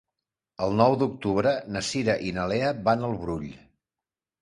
El nou d'octubre na Cira i na Lea van al Brull.